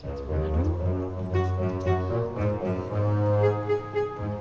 yang jelas yang bayar yang punya duit tuh